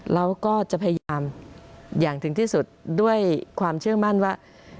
เราก็จะพยายามอย่างถึงที่สุดด้วยความเชื่อมั่นว่า